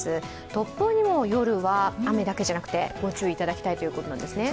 突風にも夜は、雨だけじゃなくてご注意いただきたいということですね。